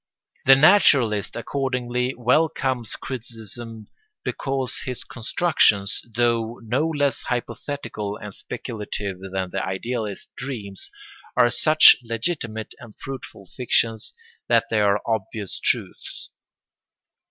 The naturalist accordingly welcomes criticism because his constructions, though no less hypothetical and speculative than the idealist's dreams, are such legitimate and fruitful fictions that they are obvious truths.